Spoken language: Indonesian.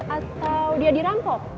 atau dia dirampok